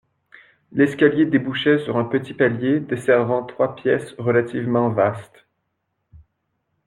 L’escalier débouchait sur un petit palier desservant trois pièces relativement vastes.